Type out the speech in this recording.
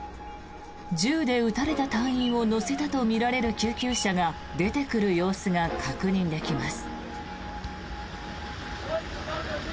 銃で撃たれた隊員を乗せたとみられる救急車が出てくる様子が確認できます。